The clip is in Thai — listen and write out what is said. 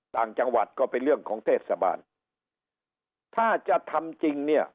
ต่างจังหวัดก็เป็นเรื่องของเทศบาลถ้าจะทำจริงเนี่ย